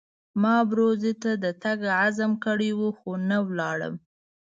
ما ابروزي ته د تګ عزم کړی وو خو نه ولاړم.